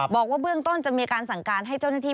บอกว่าเบื้องต้นจะมีการสั่งการให้เจ้าหน้าที่